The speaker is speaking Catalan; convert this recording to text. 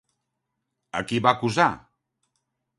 A qui va acusar?